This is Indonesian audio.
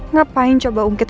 ngapain coba ungkit soal menjahat